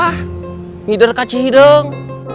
hidur kacih hidung